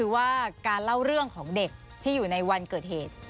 ว่าการเล่าเรื่องของเด็กที่อยู่ในวันเกิดเหตุ